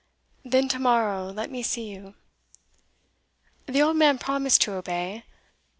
"Then to morrow let me see you." The old man promised to obey.